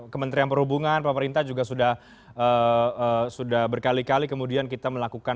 kementerian perhubungan pemerintah juga sudah berkali kali kemudian kita melakukan